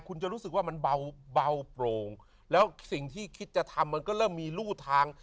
คุณจะรู้สึกว่ามันเบาโปร่งแล้วสิ่งที่คิดจะทำมันก็เริ่มมีรูทาง